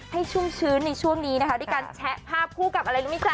ชุ่มชื้นในช่วงนี้นะคะด้วยการแชะภาพคู่กับอะไรรู้ไหมจ๊